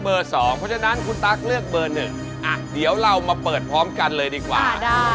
ยินดีครับคุณตาร์คที่อยู่ต่อกับพวกเรา